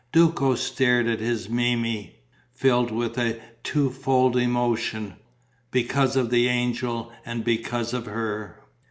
Duco stared at his Memmi, filled with a two fold emotion, because of the angel and because of her.